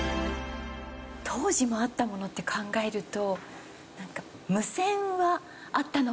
当時もあったものって考えるとなんか無線はあったのかな。